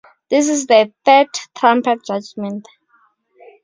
This is the Third Trumpet Judgment.